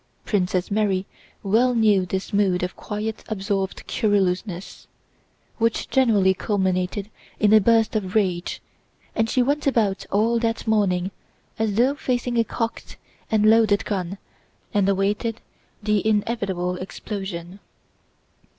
Princess Mary well knew this mood of quiet absorbed querulousness, which generally culminated in a burst of rage, and she went about all that morning as though facing a cocked and loaded gun and awaited the inevitable explosion.